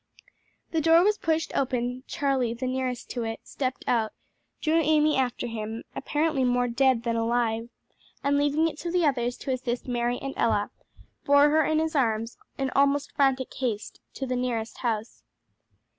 The door was pushed open, Charlie, the nearest to it, stepped out, drew Amy after him, apparently more dead than alive, and leaving it to others to assist Mary and Ella, bore her in his arms, in almost frantic haste, to the nearest house.